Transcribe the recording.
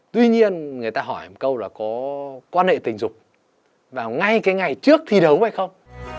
tuy nhiên người ta hỏi một câu là có quan hệ tình dục vào ngay cái ngày trước thi đấu hay không